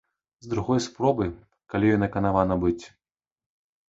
З другой спробы, калі ёй наканавана быць.